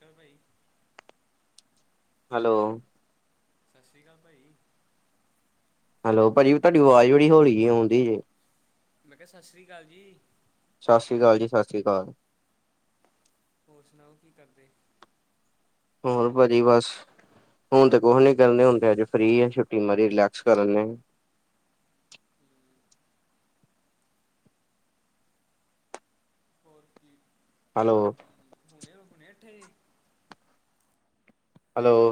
ਚਲੋ ਭਾਈ। ਹੈਲੋ ਸਤਿ ਸ਼੍ਰੀ ਅਕਾਲ ਭਾਈ। ਹੈਲੋ ਭਾਜੀ ਵੀ ਤੁਹਾਡੀ ਆਵਾਜ਼ ਬੜੀ ਹੌਲੀ ਜੀ ਆਉਂਦੀ ਜੇ ਮੈਂ ਕਿਹਾ-ਸਤਿ ਸ਼੍ਰੀ ਅਕਾਲ ਜੀ। ਸਤਿ ਸ਼੍ਰੀ ਅਕਾਲ ਜੀ ਸਤਿ ਸ਼੍ਰੀ ਅਕਾਲ। ਹੋਰ ਸੁਣਾਓ ਕੀ ਕਰਦੇ। ਹੋਰ ਭਾਜੀ ਬਸ ਹੁਣ ਤੇ ਕੁਛ ਨੀ ਕਦੇ ਹੁਣ ਤੇ ਅੱਜ ਫਰੀ ਆ, ਛੁੱਟੀ ਮਾਰੀ, ਰਿਲੈਕਸ ਕਰਨੇ ਹੋਰ ਕੀ ਹੈਲੋ, ਹੁਣੇ, ਹੁਣੇ ਉੱਠੇ ਦੇ।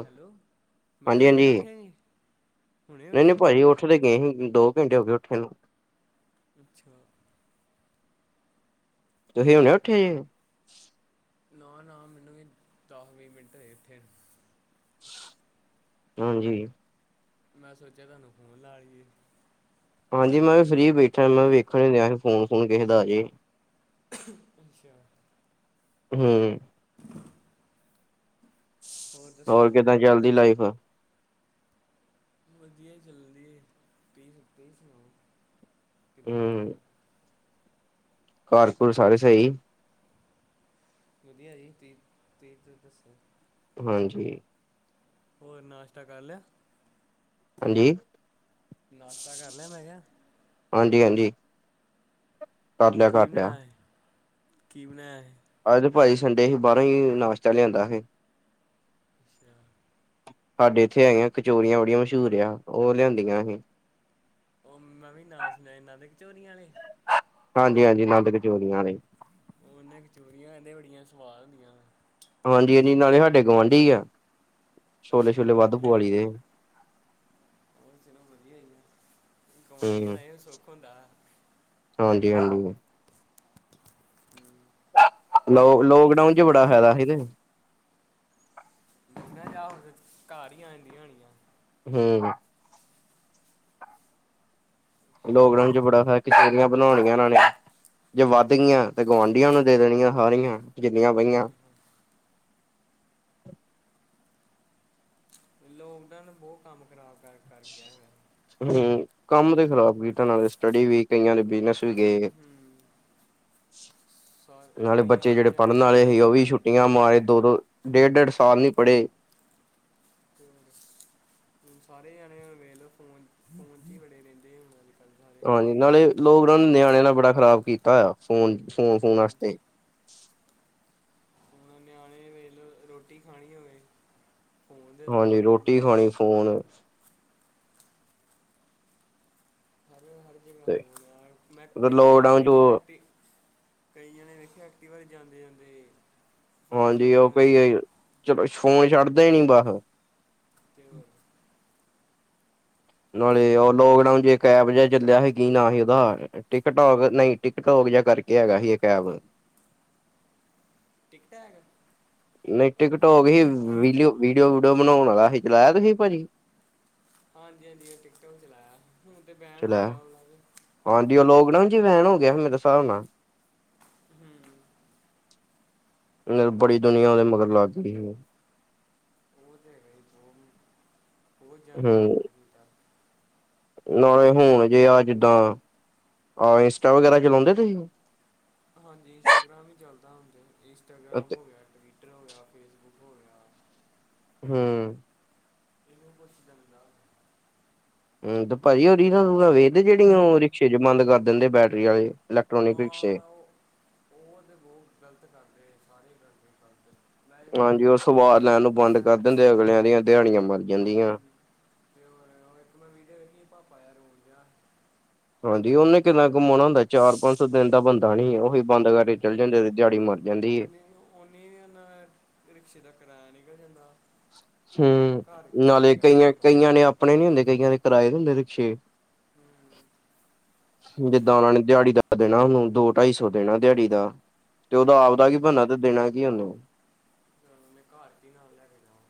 ਹੈਲੋ, ਮੈਂ ਕਿਹਾ, ਹਾਂਜੀ, ਹਾਂਜੀ ਹੁਣੇ ਉੱਠੇ ਹੀ। ਨਹੀਂ, ਨਹੀਂ ਭਾਜੀ ਉਠੇ ਗਏ ਹੀ ਦੋ ਘੰਟੇ ਹੋ ਗਏ, ਉੱਠੇ ਨੂੰ ਅੱਛਾ, ਤੁਹੀਂ ਹੁਣੇ ਉੱਠੇ ਜੇ ਨਾ, ਨਾ, ਮੈਨੂੰ ਵੀ ਦਸ, ਵੀਹ ਮਿੰਟ ਹੋਏ ਇੱਠੇ ਨੂੰ ਹਾਂਜੀ। ਮੈਂ ਸੋਚਿਆ, ਤੁਹਾਨੂੰ ਫੋਨ ਲਾ ਲਈਏ। ਹਾਂਜੀ, ਮੈਂ ਵੀ ਫਰੀ ਬੈਠਾ ਮੈਂ ਵੇਖਣ ਫੋਨ-ਫੁਨ ਕਿਸੇ ਦਾ ਆਜੇ। ਅੱਛਾ। ਹੂੰ, ਹੋਰ ਕਿੱਦਾਂ ਚੱਲਦੀ ਲਾਈਫ? ਵਧੀਆ ਚਲਦੀ ਤਸੀ ਸਕਦੇ ਸੁਣਾਓ, ਕਿੱਦਾਂ ਚੱਲਦੀ ਘਰ-ਘੁਰ ਸਾਰੇ ਸਹੀ ਵਧੀਆ ਜੀ, ਤੁਹੀ ਤੀ ਦੱਸੋ? ਹਾਂਜੀ। ਹੋਰ ਨਾਸ਼ਤਾ ਕਰ ਲਿਆ? ਹਾਂਜੀ, ਨਾਸ਼ਤਾ ਕਰ ਲਿਆ ਮੈਂ ਕਿਹਾ ਹਾਂਜੀ, ਹਾਂਜੀ। ਕਰ ਲਿਆ, ਕੀ ਕਰ ਲਿਆ। ਬਣਾਇਆ ਹੈ? ਕੀ ਬਣਾਇਆ ਹੈ? ਅੱਜ ਤੇ ਭਾਜੀ ਸੰਡੇ ਹੀ ਬਾਹਰੋਂ ਹੀ ਨਾਸ਼ਤਾ ਲਿਆਂਦਾ ਸੀ। ਸੀ? ਅੱਛਾ, ਸਾਡੇ ਇੱਥੇ ਹੈਗੀਆਂ, ਕਚੋਰੀਆਂ ਬੜੀਆਂ ਮਸ਼ਹੂਰ ਆ, ਉਹ ਲਿਆਂਦੀਆਂ ਅਸੀ ਉਹ ਮੈਂ ਵੀ ਨਾ ਸੁਣਿਆ, ਇਹਨਾਂ ਦੇ ਕਚੋਰੀਆਂ ਵਾਲੇ ਹਾਂਜੀ, ਹਾਂਜੀ, ਨੰਦ ਕਚੋਰੀਆਂ ਨੇ ਉਹਨੇ ਕਚੋਰੀਆਂ ਇਹਦੇ ਬੜੀਆਂ ਸੁਆਦ ਹੁੰਦੀਆਂ ਨੇ। ਹਾਂਜੀ, ਹਾਂਜੀ, ਨਾਲੇ ਸਾਡੇ ਗੁਆਂਢੀ ਆ ਅੱਛਾ ਛੋਲੇ-ਛੁਲੇ ਵੱਧ ਪੁਆ ਲਈ ਦੇ ਹੋਰ ਚਲੋ, ਵਧੀਆ ਹੀ ਆ ਗੁਆਂਢੀਆਂ ਦਾ ਵੀ ਸੁੱਖ ਹੁੰਦਾ। ਹਾਂਜੀ, ਹਾਂਜੀ। ਲੋ ਲੋਕਡਾਊਨ ਚ ਬੜਾ ਫਾਇਦਾ ਸੀ, ਤੇ। ਮੈ ਨਾ ਜਾਓ ਫੇਰ, ਘਰ ਹੀ ਆ ਜਾਂਦੀਆਂ ਹੋਣੀਆਂ। ਹੂੰ, ਲੋਕਡਾਊਨ ਚ ਬੜਾ [inaudible] ਹੋਇਆ, ਕਚੋਰੀਆਂ ਬਣਾਉਣੀਆਂ ਇਹਨਾਂ ਨੇ। ਜੇ ਵੱਧ ਗਈਆਂ, ਤੇ ਗੁਆਂਢੀਆਂ ਨੂੰ ਦੇ ਦੇਣੀਆਂ, ਸਾਰੀਆਂ ਜਿੰਨੀਆਂ ਪਈਆਂ ਲੋਕਡਾਊਨ ਬਹੁਤ ਕੰਮ ਖਰਾਬ ਕਰ ਕਰਕੇ ਹੈਗਾ। ਹੂੰ ਕੰਮ ਤੇ ਖ਼ਰਾਬ ਕੀ ਨਾਲੇ ਸਟੱਡੀ ਵੀ ਕਈਆਂ ਨੇ ਬਿਜਨਸ ਵੀ ਗਏ। ਹੂੰ, ਸਾਰ ਨਾਲੇ ਕਈਆਂ ਬੱਚੇ ਜਿਹੜੇ ਬੱਚਿਆਂ ਦੇ ਪੜ੍ਹਨ ਵਾਲੇ ਵਿਹੜੇ ਸੀ, ਕਰ ਉਹ ਵੀ ਕਰ ਗਿਆ ਛੁੱਟੀਆਂ ਮਾਰੇ ਦੋ ਦੋ ਡੇਢ-ਡੇਢ, ਸਾਲ ਨਹੀਂ ਪੜ੍ਹੇ। ਸਾਰੇ ਜਾਣੇ ਵੇੇਲੋ ਫੋਨ ਫੋਨ 'ਚ ਹੀ ਬੜੇ ਰਹਿੰਦੇ ਆ। ਹਾਂਜੀ, ਨਾਲੇ ਲੋਕਡਾਊਨ ਨਿਆਣਿਆਂ ਨਾਲ ਬੜਾ ਖਰਾਬ ਕੀਤਾ ਆ, ਫੋਨ-ਫੋਨ-ਫੋਨ ਹੂੰ ਵਾਸਤੇ, ਹੁਣ ਨਿਆਣੇ ਵੇਖ ਰੋਟੀ ਖਾਣੀ ਹੋਵੇ, ਫੋਨ ਦੇ ਦੋ ਹਾਂਜੀ ਫੋਨ ਦੇ ਰੋਟੀ ਦੋ, ਖਾਣੀ ਫੋਨ ਫਿਰ ਤੇ ਯਾਰ ਮੈਂ ਕਈ ਜਾਣੇ ਲੋਕਡਾਊਨ ਵੇਖੇ ਚ ਐਕਟਿਵ ਕਈ ਜਣੇ ਵੇਖੇ ਐਕਟਿਵਾ ਤੇ ਜਾਂਦੇ ਜਾਂਦੇ ਫੋਨ ਹਾਂਜੀ ਉਹ ਚਲਾਉਂਦੇ ਹੁੰਦੇ ਕੋਈ ਚਲੋ ਫੋਨ ਛੱਡਦੇ ਹੀ ਨੀ ਬਸ ਕੇਵਲ ਨੌਲੇਜ ਉਹ ਲੋਕਡਾਊਨ ਜੇ ਇੱਕ ਐਪ ਜਿਹਾ ਚੱਲਿਆ ਸੀਗੀ ਨਾ ਹੀ ਉਹਦਾ ਟਿਕ ਟੋਕ ਨਹੀਂ ਟਿਕ ਟੋਕ ਜਾ ਕਰਕੇ ਹੈਗਾ ਹੀ ਇਹ ਐਬ ਟਿਕ ਟਕ ਨਹੀਂ ਟਿਕਟੋਕ ਹੀ ਵੀਡ ਵੀਡੀਓ ਬਣਾਉਣ ਵਾਲਾ ਸੀ ਚਲਾਇਆ ਤੁਸੀਂ ਭਾਜੀ ਹਾਂਜੀ-ਹਾਂਜੀ, ਟਿਕ ਟੋਕ ਚਲਾਇਆ, ਹੁਣ ਤੇ ਬ ਹਾਂਜੀ ਆ ਲੋਕ ਨਾ ਜੇ ਵੈਨ ਹੋ ਗਿਆ, ਮੇਰੇ ਹਿਸਾਬ ਨਾਲ ਹੂੰ, ਬੜੀ ਦੁਨੀਆਂ ਦੇ ਮਗਰ ਲੱਗ ਗਈ ਸੀ। ਉਹਦੇ ਬਹੁਤ-ਬਹੁਤ ਜਾਣ ਡੇ ਹੂੰ ਮਨ ਕੀਤਾ। ਨਾਲੇ ਹੁਣ ਜੇ ਆ ਜਿੱਦਾਂ ਆਹ ਇੰਸਟਾ ਵਗੈਰਾ ਚਲਾਉਂਦੇ ਤੁਸੀਂ ਹਾਂਜੀ ਇੰਸਟਾਗ੍ਰਾਮ ਹੀ ਚੱਲਦਾ ਹੁੰਦਾ ਇੰਸਟਾਗ੍ਰਾਮ ਅਤੇ ਹੋ ਗਿਆ ਟਵੀਟਰ ਹੋ ਗਿਆ ਫੇਸਬੁੱਕ ਹੋ ਗਿਆ। ਹੂ,,, ਤੇ ਉਹ ਕੁਝ ਕਹਿੰਦਾ ਹੂ ਤੇ ਭਾਜੀ ਉਹ ਰਿਲਨਾ ਵੇਖਦੇ ਜਿਹੜੀ ਉਹ ਰਿਕਸ਼ੇ ਚ ਬੰਦ ਕਰ ਦਿੰਦੇ ਬੈਟਰੀ ਵਾਲੇ ਇਲੈਟ੍ਰੋਨਿਕ ਰਿਕਸ਼ੇ ਹਾਂ ਉਹ ਉਹ ਤਾਂ ਬਹੁਤ ਗਲਤ ਕਰਦੇ ਸਾਰੇ ਗਲਤੀ ਕਰਦੇ ਮੈਂ ਤੇ ਹਾਂਜੀ ਉਹ ਸਵਾਦ ਲੈਣ ਨੂੰ ਬੰਦ ਉਹ ਕਰ ਐਪ ਦਿੰਦੇ ਅਗਲਿਆਂ ਦੀਆਂ ਦਿਹਾੜੀਆਂ ਮਰ ਜਾਂਦੀਆਂ ਇੱਕ ਮੈਂ ਵੀਡੀੇਉ ਵੇਖ ਪਾਪਾ ਆ ਰੋਲ ਦਾ ਹਾਂਜੀ ਉਹਨੇ ਕਿੰਨਾ ਘੁੰਮਾਉਣਾ ਹੁੰਦਾ ਚਾਰ ਪੰਜ ਸੌ ਦਿਨ ਦਾ ਬੰਦਾ ਤਾਂ ਤੇ ਨਹੀਂ ਹੋਰ ਉਹੀ ਬੰਦ ਕਰਕੇ ਚਲ ਜਾਂਦੇ ਤੇ ਦਿਹਾੜੀ ਮਰ ਜਾਂਦੀ ਏ ਉਨੀੇ ਵੀ ਉਹਨਾ ਰਿਕਸ਼ੇ ਦਾ ਕਿਰਾਇਆ ਨਿਕਲ ਜਾਂਦਾ ਹੂ ਘਰ ਕੀ ਲੈ ਨਾਲੇ ਕੇ ਜਾਵੇ ਕਈਆਂ ਬੰਦਾ ਕਈਆਂ ਨੇ ਆਪਣੇ ਨੀ ਹੁੰਦੇ ਕਈਆਂ ਨੇ ਕਰਾਏ ਹੁੰਦੇ ਰਿਕਸ਼ੇ ਹੂ ਹੂ,,, ਜਿੱਦਾਂ ਉਹਨਾਂ ਨੇ ਦਿਹਾੜੀ ਦਾ ਦੇਣਾ ਉਹਨੂੰ ਦੋ ਢਾਈ ਸੌ ਦੇਣਾ ਦਿਹਾੜੀ ਦਾ ਤੇ ਉਹਦਾ ਆਪਦਾ ਕੀ ਬੰਨ ਤੇ ਦੇਣਾ ਕੀ ਉਹਨੂੰ ਉਹਦੇ ਘਰ ਚ ਨਾਲ ਲੈ ਕੇ ਜਾਵਾਂ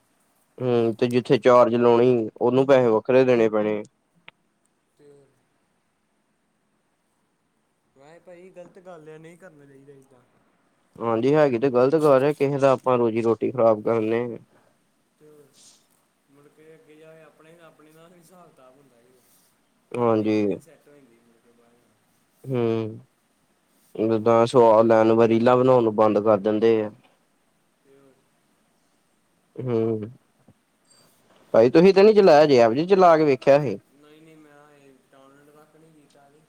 ਹੂ ਤੇ ਜਿੱਥੇ ਚਾਰਜ ਲਾਉਣੀ ਉਹਨੂੰ ਪੈਸੇ ਵੱਖਰੇ ਦੇਣੇ ਪੈਣੇ ਤੇ ਰਾਏ ਭਾਜੀ ਗਲਤ ਗੱਲ ਹੈ ਨਹੀਂ ਕਰਨਾ ਚਾਹੀਦਾ ਇਦਾਂ ਹਾਂਜੀ ਹੈਗੀ ਤੇ ਗ਼ਲਤ ਗੱਲ ਹੈ ਕਿਸੇ ਦਾ ਆਪਾਂ ਰੋਜ਼ੀ ਰੋਟੀ ਖ਼ਰਾਬ ਕਰਨੇ ਤੇ ਮੁਲ ਕੇ ਅੱਗੇ ਜਾਏ ਆਪਣੇ ਆਪਣੇ ਦਾ ਹਿਸਾਬ ਕਿਤਾਬ ਹੁੰਦਾ ਜ ਆਪਣੀ ਹਾਂਜੀ। ਫਿਲਡਿੰਗ ਸੈਟ ਹੋ ਜਾਂਦੀ [unintelligible] ਹੂ ਜਿੱਦਾਂ ਸਆਦ ਲੈਣ ਰੀਲਾਂ ਬਣਾਉਣ ਨੂੰ ਬੰਦ ਕਰ ਦਿੰਦੇ ਆ ਤੇ ਉਹ- ਹੂ ਭਾਈ ਤੁਸੀਂ ਤਾਂ ਨੀ ਜਲਾਇਆ ਜੇਹਾ [unintelligible] ਕੇ ਵੇਖਿਆ ਵੇ ਨਹੀਂ ਨਹੀਂ ਮੈਂ ਆਏ ਟੋਨਰ ਵੱਖ ਨਹੀਂ ਕੀਤਾ ਜੇ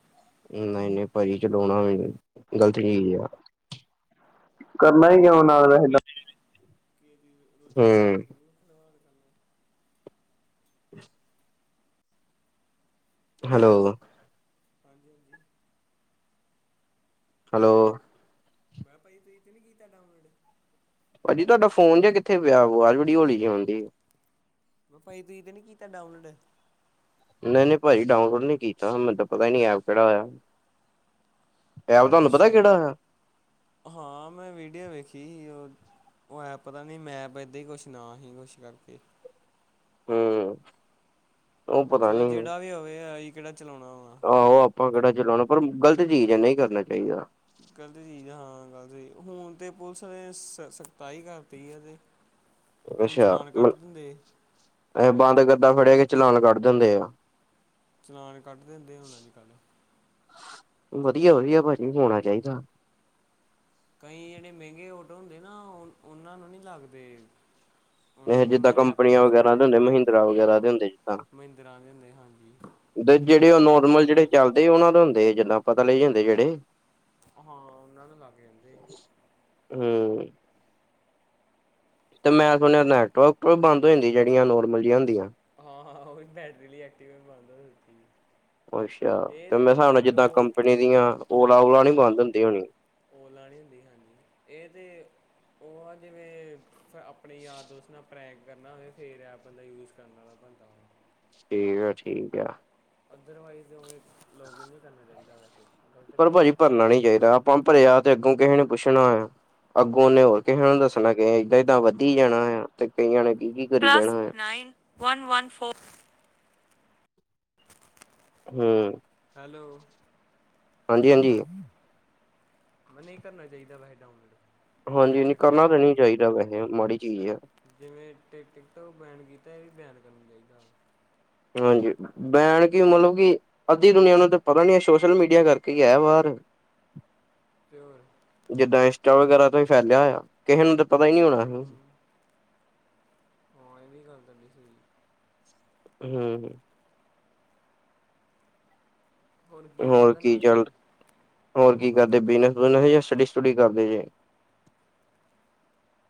ਨਹੀਂ ਨਹੀਂ ਭਾਜੀ ਚਲਾਉਣਾ ਵੀ ਗ਼ਲਤ ਚੀਜ਼ ਆ ਕਰਨਾ ਹੀ ਕਿਉ ਨਾਲ ਵੈਸੇ ਦਾ ਹੂ ਨੂੰ ਜ਼ਰੂਰ ਖਿਲਵਾ ਕੇ ਕਰਨਾ [inaudible] ਹੈਲੋ ਹਾਂਜੀ ਹਾਂਜੀ ਹੈਲੋ ਮੈਂ ਭਾਜੀ ਤੁਸੀਂ ਤਾਂ ਨੀ ਕੀਤਾ ਕੰਮ ਅੱਡ ਭਾਜੀ ਤੁਹਾਡਾ ਫੋਨ ਜਿਹਾ ਕਿੱਥੇ ਪਿਆ ਵਾਜ ਹੌਲੀ ਜੀ ਆਣ ਦੀ ਉਹ ਭਾਜੀ ਤੁਸੀਂ ਤਾਂ ਨਹੀਂ ਕੀਤਾ ਡਾਊਨਲੋਡ ਨਹੀਂ ਨਹੀਂ ਭਾਜੀ ਡਾਊਨਲੋਡ ਨਹੀਂ ਕੀਤਾ ਮੈਨੂੰ ਪਤਾ ਹੀ ਨੀ ਐਪ ਕਿਹੜਾ ਹੋਇਆ ਅੱਛਾ ਕਿਹੜਾ ਆ। ਹਾਂ ਮੈਂ ਵੀਡੀਓ ਵੇਖੀ ਸੀ ਉਹ ਉਹ ਐ ਪਤਾ ਨੀ ਮੈਪ ਏਦਾਂ ਹੀ ਕੁਛ ਨਾ ਸੀ ਕੁਛ ਕਰਕੇ ਹਮ ਚਲੋ ਜਿਹੜਾ ਵੀ ਹੋਵੇ ਅਸੀ ਕਿਹੜਾ ਚਲਾਉਣਾ ਹੋਣਾ ਆਹੋ ਆਪਾਂ ਕਿਹੜਾ ਚਲਾਉਣਾ ਪਰ ਗ਼ਲਤ ਚੀਜ਼ ਹੈ ਨਹੀਂ ਕਰਨਾ ਚਾਹੀਦਾ ਗਲਤ ਚੀਜ਼ ਹਾਂ ਗਲਤ ਹੁਣ ਤੇ ਪੁਲਿਸ ਨੇ ਸਖਤਾਈ ਕਰਤੀ ਆ ਤੇ [inaudible] ਹੁਣ ਅੱਛਾ ਚਲਾਨ ਕੱਟ ਦਿੰਦੇ ਇਹ ਬਾਲਕ ਇਦਾਂ ਫੜਿਆ ਕੇ ਚਲਾਨ ਕੱਢ ਦਿੰਦੇ ਆ ਚਲਾਨ ਕੱਢ ਦਿੰਦੇ ਹੁਣ ਅੱਜ ਕੱਲ੍ਹ ਵਧੀਆ ਵਧੀਆ ਭਾਜੀ ਹੋਣਾ ਚਾਹੀਦਾ ਕਈ ਜਿਹੜੇ ਮਹਿੰਗੇ ਔਟੋ ਹੁੰਦੇ ਨਾ ਉਹਨਾਂ ਨੂੰ ਨਹੀਂ ਲੱਗਦੇ ਉਹਨਾਂ ਇਹ ਨੂੰ ਜਿੱਦਾਂ ਨਹੀਂ ਐਪ ਕੰਪਨੀਆਂ ਯੂਜ ਵਗੈਰਾ ਹੁੰਦੇ ਦੇ ਮਹਿੰਦਰਾ ਹਾਂ ਵਗੈਰਾ ਦੇ ਹੁੰਦੇ ਜਿੱਦਾਂ ਮਹਿੰਦਰਾਂ ਦੇ ਹੁੰਦੇ ਹਾਂਜੀ ਜਿਹੜੇ ਉਹ ਉਹਨਾਂ ਨੂੰ ਨਹੀਂ ਨੋਰਮਲ ਜਿਹੜੇ ਲੱਗਦੇ ਚਲਦੇ ਉਹਨਾ ਦੇ ਹੁੰਦੇ ਜਿੱਦਾਂ ਪਤਾ ਲ ਜਾਂਦੇ ਜਿਹੜੇ ਹਾਂ ਉਹਨਾਂ ਨੂੰ ਲਾਗੇ ਜਾਂਦੇ ਹਮ ਤੇ ਮੈਂ ਸੁਣਿਆ ਨੈਟਵਰਕਰ ਬੰਦ ਹੋ ਜਾਂਦੀ ਜਿੜੀਆਂ ਨੋਰਮਲ ਜਿਹੀਆਂ ਹੁੰਦੀਆਂ ਹਾਂ ਹਾਂ ਉਹ ਵੀ ਬੈਟਰੀ ਲਈ ਐਕਟਿਵ ਬੰਦ ਹੋ ਦਿੱਤੀ ਅੱਛਾ ਇਹ ਤੇ ਮੈਂ ਹਿਸਾਬ ਨਾਲ ਜਿੱਦਾਂ ਉਹ ਕੰਪਨੀ ਦੀਆਂ ਓਲਾ ਓਲਾ ਨੀ ਬੰਦ ਹੁੰਦੀ ਹੋਣੀ ਆਨਲਾਈਨ ਹੁੰਦੀ ਹਾਂਜੀ ਇਹ ਤਾਂ ਉਹ ਆ ਜਿਵੇਂ ਫਿਰ ਆਪਣੇ ਯਾਰ ਦੋਸਤ ਨਾਲ ਪੈਕ ਕਰਨਾ ਹੋਵੇ ਫਿਰ ਇਹ ਬੰਦਾ ਯੂਜ ਕਰਨ ਵਾਲਾ ਬਣਦਾ ਠੀਕ ਆ ਠੀਕ ਆ ਅਦਰਵਾਈਜ਼ ਉਹ ਇੱਕ ਪਰ ਗੱਲ ਭਾਜੀ ਹੈ ਭਰਨਾ ਨੀ ਚਾਹੀਦਾ ਆਪਾਂ ਭਰਿਆ ਤੇ ਅੱਗੋਂ ਕਿਸੇ ਨੂੰ ਹੂੰ ਪੁੱਛਣਾ ਅੱਗੋਂ ਉਹਨੇ ਹੋਰ ਕਿਸੇ ਨੂੰ ਦੱਸਣਾ ਕਿ ਏਦਾਂ ਏਦਾਂ ਵੱਧ ਹੀ ਜਾਣਾ ਹੈ ਤੇ ਕਈਆਂ ਨੇ ਕੀ ਕੀ ਕਰੀ ਜਾਣਾ ਹੈ। ਵਨ ਵਨ ਫੋਰ ਹਮ ਹੈਲੋ ਹਾਂਜੀ ਮੈ ਨਹੀਂ ਕਰਨਾ ਚਾਹੀਦਾ ਵੈਸੇ ਡਾਊਨਲੋਡ ਹਾਂਜੀ ਬੈਨ ਕਰ ਕਰਨਾ ਦੇਣਾ ਤਾਂ ਨੀ ਚਾਹੀਦਾ ਵੈਸੇ ਮਾੜੀ ਚੀਜ਼ ਹੈ। ਜਿਵੇਂ ਟਿਕ ਟੋਕ ਬੈਨ ਕੀਤਾ ਇਹ ਵੀ ਬੈਨ ਕਰਨਾ ਚਾਹੀਦਾ ਹਾਂਜੀ ਬੈਣ ਕਿ ਮਤਲਬ ਕਿ ਅੱਧੀ ਦੁਨੀਆਂ ਨੂੰ ਤਾਂ ਪਤਾ ਨੀ ਹੈ ਸੋਸ਼ਲ ਮੀਡੀਆ ਕਰਕੇ ਹੀ ਹੈ ਬਾਹਰ [inaudible] [inaudible] ਜਿੱਦਾਂ ਇੰਸਟਾ ਵਗੈਰਾ ਤੋਂ ਹੀ ਫੈਲਿਆ ਹੋਇਆ ਕਿਸੇ ਨੂੰ ਤਾਂ ਪਤਾ ਹੀ ਨਹੀਂ ਹੋਣਾ ਸੀ ਹ ਇਹ ਵੀ ਗੱਲ ਨਹੀਂ ਸੀਗੀ ਹਮ ਹੁਣ ਕੀ ਹੋਰ ਖਾਧਾ ਨਾਸਤੇ ਚੱਲ ਚ ਹੋਰ ਕੀ ਕਰਦੇ ਬਿਜਨਸ ਬੁਜਨਸ ਜਾਂ ਸਟੱਡੀ ਸਟੱਡੀ ਕਰਦੇ ਜੇ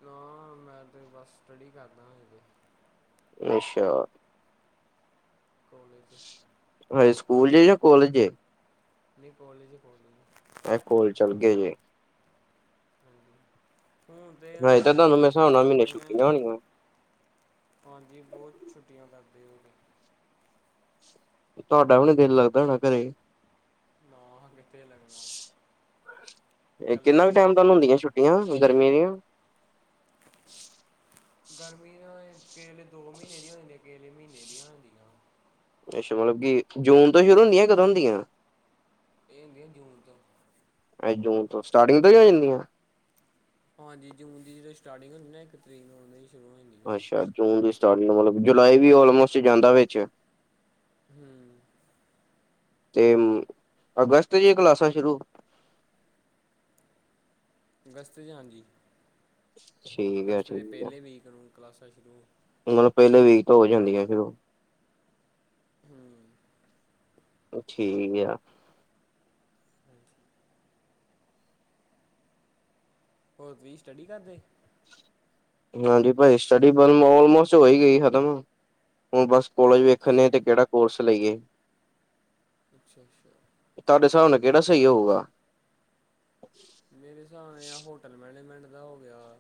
ਨਾ ਮੈਂ ਤਾਂ ਬਸ ਸਟੱਡੀ ਕਰਦਾ ਹਜੇ ਅੱਛਾ। ਕੋਲੇਜ ਹਜੇ ਸਕੂਲ ਜੇ ਜਾਂ ਕਲੇਜ ਜੇ ਨਹੀਂ ਕੋਲਜ ਹੀ ਕੋਲਜ ਮੈ ਕੋਲ ਚਲ ਗਏ ਜੇ ਹੁਣ ਤੇ ਹਜੇ ਉਹਨਾਂ ਤਾਂ ਨੇ ਤੁਹਾਨੂੰ ਮੇਰੇ ਹਿਸਾਬ ਨਾਲ ਛੁੱਟੀਆਂ ਮਹੀਨੇ ਪਾਈਆਂ ਛੁੱਟੀਆਂ ਹੋਈਆਂ। ਹੋਣੀਆਂ ਹਾਂਜੀ ਬਹੁਤ ਛੁੱਟੀਆਂ ਕਰਦੇ ਹੋ ਤੁਹਾਡਾ ਵੀ ਨੀ ਦਿਲ ਲੱਗਦਾ ਹੋਣਾ ਘਰੇ ਨਾ ਹਾਂ ਕਿੱਥੇ ਲੱਗਣਾ ਇਕੱਲੇ ਹੋਈ ਦਾ ਘਰ ਕਿਉ ਗਰਮੀ ਦੀ ਗਰਮੀ ਕੇਹੇ ਵੇਲੇ ਦੋ ਮਹੀਨੇ ਦੀਆਂ ਹੋ ਜਾਂਦੀਆਂ ਕੇਹੇ ਵੇਲੇ ਮਹੀਨੇ ਦੀਆਂ ਹੋ ਜਾਂਦੀਆਂ ਵਾਂ ਅੱਛਾ ਮਤਲਬ ਕਿ ਜੂਨ ਤੋਂ ਸ਼ੁਰੂ ਹੁੰਦੀਆਂ ਕਦੋਂ ਹੁੰਦੀਆਂ ਇਹ ਹੁੰਦੀ ਜੂਨ ਤੋਂ ਅ ਜੂਨ ਤੋਂ ਸਟਾਰਟਿੰਗ ਤੋਂ ਹੀ ਹੋ ਜਾਂਦੀਆਂ ਆ। ਹਾਂਜੀ ਜੂਨ ਦੀ ਜਿਹੜੋਂ ਸਟਾਰਟਿੰਗ ਹੁੰਦੀ ਨਾ ਇੱਕ ਤਰੀਕ ਨੂੰ ਓਦੋਂ ਹੀ ਸ਼ੁਰੂ ਹੁੰਦੀਆਂ ਅੱਛਾ ਜੂਨ ਸਟਾਰਟ ਮਤਲਬ ਜੁਲਾਈ ਵੀ ਆਲਮੋਸਟ ਜਾਂਦਾ ਵਿੱਚ, ਹਮ। ਤੇ ਅਗਸਤ ਚ ਕਲਾਸਾਂ ਸ਼ੁਰੂ ਅਗਸਤ 'ਚ ਹਾਂਜੀ ਠੀਕ ਆ ਅਗਸਤ ਦੇ ਠੀਕ ਆ ਪਹਿਲੇ ਵੀਕ ਨੂੰ ਕਲਾਸਾਂ ਸ਼ੁਰੂ ਮਤਲਬ ਪਹਿਲੇ ਵੀਕ ਤੋਂ ਹੋ ਜਾਂਦੀਆਂ ਫਿਰ ਹਮ। ਠੀਕ ਆ ਹੱ ਕੇ ਹੋਰ ਤੁਸੀਂ ਸਟੱਡੀ ਕਰਦੇ? ਹਾਂਜੀ ਭਾਜੀ ਸਟੱਡੀ ਬਸ ਆਲਮੋਸਟ ਹੋਈ ਗਈ ਖਤਮ ਹੁਣ ਬਸ ਕੋਲਜ ਵੇਖ ਅੱਛਾ ਨੇ ਅਤੇ ਕਿਹੜਾ ਕੋਰਸ ਲਈਏ। ਅੱਛਾ ਅੱਛਾ। ਤੁਹਾਡੇ ਹਿਸਾਬ ਨਾਲ ਕਿਹੜਾ ਸਹੀ ਹੋਊਗਾ? ਮੇਰੇ ਹਿਸਾਬ ਨਾਲ ਆ ਹੋਟਲ ਮੈਨੇਜਮੈਂਟ ਦਾ ਹੋ ਗਿਆ।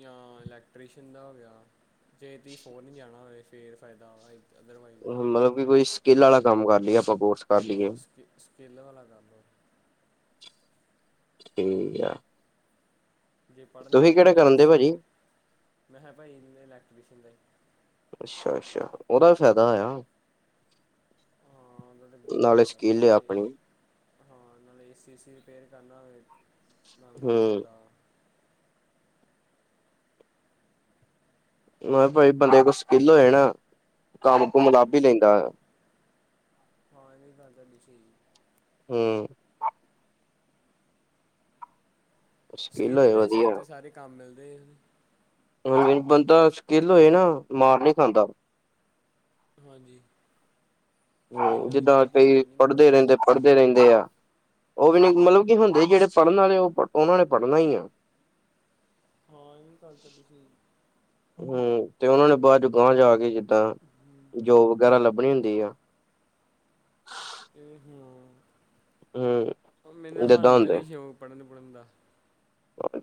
ਜਾਂ ਇਲੈਕਟ੍ਰੀਸ਼ਨੀਸ਼ਨ ਦਾ ਹੋ ਗਿਆ ਜੇ ਤੁਸੀਂ ਫੋਰਨ ਨਹੀਂ ਜਾਣਾ ਹੋਵੇ ਫਿਰ ਫਾਇਦਾ ਵਾ ਅਦਰਵਾਈਜ਼ ਨਹੀਂ ਮਤਲਬ ਕਿ ਕੋਈ ਸਕਿੱਲ ਵਾਲਾ ਕੰਮ ਕਰ ਲਈਏ ਆਪਾਂ ਬੋਰਸ ਹਾਂ ਸਕੇ ਸਕਿੱਲ ਵਾਲਾ ਕੰਮ ਠੀਕ ਆ ਜੇ ਪੜ੍ਹਨ ਤੁਸੀਂ ਵਾਲੇ ਤਾਂ ਕਿਹੜੇ ਫਿਰ ਕਰਨ ਦੇ ਸੀਏ ਭਾਜੀ ਮੈਂ ਕਿਹਾ ਭਾਜੀ ਨੂੰ ਇਲੈਕਟ੍ਰੀਸ਼ਨਅ ਦਾ ਜੀ ਅੱਛਾ ਅੱਛਾ ਉਹਦਾ ਫਾਇਦਾ ਹੋਇਆ। ਹਾਂ ਉਹਦਾ ਤਾਂ ਬਹੁਤ ਜ਼ਿਆਦਾ ਨਾਲੇ ਫਾਇਦਾ ਸਕੀਲ ਇਹ ਆਪਣੀ ਹਾਂ ਨਾਲੇ ਏ ਸੀ ਏ ਸੀ ਰਿਪੇਅਰ ਕਰਨਾ ਹੋਵੇ ਨਾਲ ਵੀ ਹੋ ਹੂੰ ਸਕਦਾ। ਮ ਕਿਹਾ ਭਾਜੀ ਬੰਦੇ ਕੋ ਸਕਿੱਲ ਹੋਏ ਨਾ ਕੰਮ ਕੁਮ ਲੱਭ ਹੀ ਹੂੰ ਲਾਈਦਾ ਹਾਂ ਇਹ ਗੱਲ ਤੁਹਾਡੀ ਸਹੀ ਹਮ। ਸਕਿੱਲ ਸਕਿਲ ਹੋਏ ਦੇ ਸਿਰ ਵਧੀਆ ਤੇ ਸਾਰੇ ਕੰਮ ਮਿਲਦੇ ਆ ਤੇ ਹਾਂ ਬੰਦਾ ਸਕਿੱਲ ਹੋਏ ਨਾ ਮਾਰ ਨਹੀਂ ਖਾਂਦਾ। ਹਾਂਜੀ। ਹਮ ਸਕਿੱਲ ਹੋਣੀ ਜਿੱਦਾਂ ਚਾਹੀਦੀ ਕਈ ਫਿਰ ਨਹੀਂ ਪੜ੍ਹਦੇ ਰਹਿੰਦੇ, ਮੰਗਦੇ ਪੜ੍ਹਦੇ ਰਹਿੰਦੇ ਆ, ਉਹ ਵੀ ਨੀ ਹੂੰ ਮਤਲਬ ਕੀ ਹੁੰਦੇ ਜਿਹੜੇ ਪੜ੍ਹਨ ਵਾਲੇ ਉਹਨਾ ਨੇ ਪੜ੍ਹਨਾ ਹੀ ਆ ਹਾਂ ਇਹ ਵੀ ਗੱਲ ਤੁਹਾਡੀ ਸਹੀ ਆ ਹਮ ਤੇ ਉਹਨਾਂ ਨੇ ਬਾਅਦ ਚ ਗਾਹ ਜਾ ਕੇ ਜਿੱਦਾਂ ਹੂੰ ਜੋਬ ਵਗੈਰਾ ਲੱਭਣੀ ਹੁੰਦੀ ਆ ਹੂੰ ਹਮ ਮੈਨੂੰ ਜਿੱਦਾਂ ਹਾਨੂ ਤੇ ਹੁੰਦੇ ਨੀ ਸ਼ੌਕ ਪੜ੍ਹਨ ਪੁੜਨ ਦਾ ਹਾਂ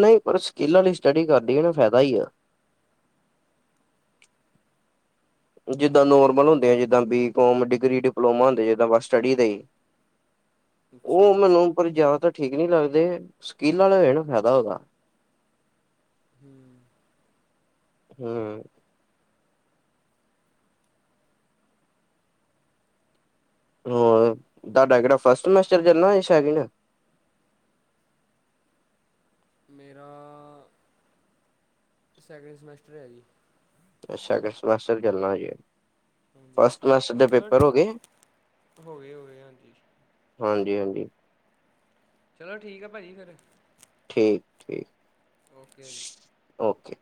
ਨਹੀਂ ਪਰ ਸਕਿੱਲਾਂ ਲਈ ਸਟੱਡੀ ਕਰਦੀ ਹੈ ਨਾ ਫਾਇਦਾ ਹੀ ਆ, ਜਿੱਦਾਂ ਨੋਰਮਲ ਹੁੰਦੇ ਆ ਜਿੱਦਾਂ ਬੀਕੋਮ ਡਿਗਰੀ ਡਿਪਲੋਮਾ ਹੁੰਦੇ ਜਿੱਦਾਂ ਬਸ ਸਟੱਡੀ ਦੇ ਹੀ, ਅੱਛਾ ਉਹ ਮੈਨੂੰ ਪਰ ਮੈਨੂੰ ਯਾਦ ਏ ਠੀਕ ਨਹੀਂ ਲੱਗਦੇ ਸਕੀਲ ਵਾਲਾ ਹੋਏ ਨਾ ਫਾਇਦਾ ਹੋਦਾ, ਹਮ ਹਮ ਹੋ ਤੁਹਾਡਾ ਕਿਹੜਾ ਫਸਟ ਸਮਾਟਰ ਚੱਲਣਾ ਜਾ ਸੈਕਿੰਡ। ਮੇਰਾ, ਸੈਕਿੰਡ ਸਮੈਸਟਰ ਹੈ ਜੀ। ਅੱਛਾ ਕਾ ਚੱਲਣਾ ਜੀ, ਹਾਂਜੀ ਫਸਟ ਸਮੇਟਰ ਦੇ ਚਲੋ ਪੇਪਰ ਹੋਗੇ ਹੋ ਗਏ ਹੋ ਗਏ ਹਾਂਜੀ ਹਾਂਜੀ-ਹਾਂਜੀ, ਚਲੋ ਠੀਕ ਆ ਭਾਜੀ ਫੇਰ, ਠੀਕ-ਠੀਕ। ਔ ਕੇ ਜੀ। ਔ ਕੇ।